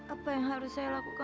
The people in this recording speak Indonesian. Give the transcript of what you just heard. apa yang harus saya lakukan